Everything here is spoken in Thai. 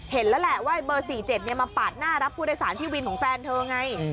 เห็นแล้วแหละว่าเบอร์๔๗มาปาดหน้ารับผู้โดยสารที่วินของแฟนเธอไง